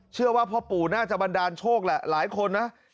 เชื่อว่าพ่อปู่น่าจะบันดาลโชคแหละหลายคนนะ